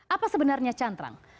apa sebenarnya cantrang